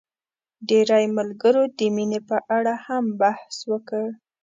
ډېری ملګرو د مينې په اړه هم بحث وکړ.